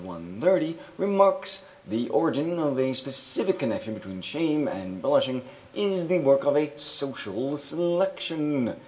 130) remarks: "The origin of a specific connection between shame and blushing is the work of a social selection.